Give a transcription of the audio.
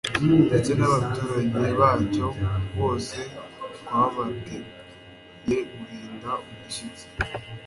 ndetse n'abaturage bacyo bose twabateye guhinda umushyitsi